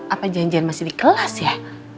apa janjian masih di kelas ya